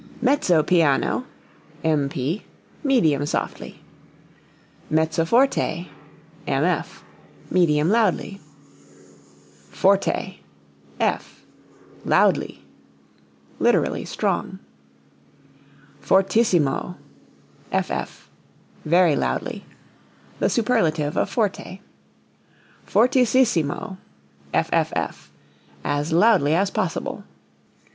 Mezzo piano (mp) medium softly. Mezzo forte (mf) medium loudly. Forte (f) loudly (lit. strong). Fortissimo (ff) very loudly. (The superlative of forte.) Fortisissimo (fff) as loudly as possible.